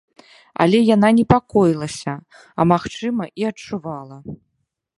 Але яна непакоілася, а, магчыма, і адчувала.